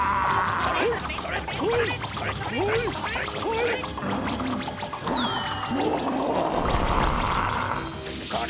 それ！